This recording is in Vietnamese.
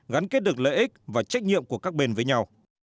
gắn kết được lợi ích và trách nhiệm của các bên với nhau